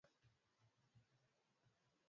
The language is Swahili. kumi na saba walikutwa wamekufa kwenye eneo la tukio